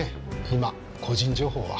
今個人情報は。